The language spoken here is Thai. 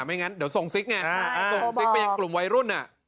ไม่งั้นเดี๋ยวส่งไงใช่โอ้โฮบอกส่งไปกลุ่มวัยรุ่นอ่ะ